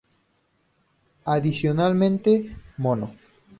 Adicionalmente, "Mono".